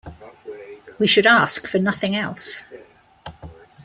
We should ask for nothing else.